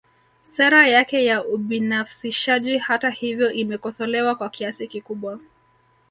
Sera yake ya ubinafsishaji hata hivyo imekosolewa kwa kiasi kikubwa